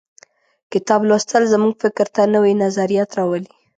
کتاب لوستل زموږ فکر ته نوي نظریات راولي.